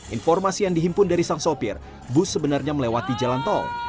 informasi yang dihimpun dari sang sopir bus sebenarnya melewati jalan tol